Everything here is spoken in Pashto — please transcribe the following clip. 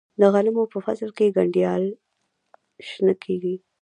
د غنمو په فصل کې گنډیاله شنه کیږي.